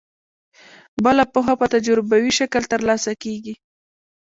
بله پوهه په تجربوي شکل ترلاسه کیږي.